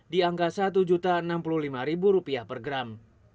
di angka rp satu enam puluh lima per gram